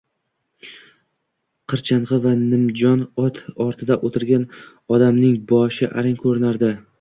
Qirchang`i va nimjon ot ortida o`tirgan odamning boshi arang ko`rinardi